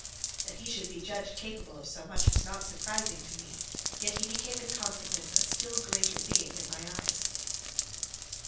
That he should be judged capable of so much, was not surprising to me; yet he became in consequence a still greater being in my eyes.